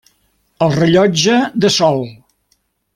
El rellotge de sol.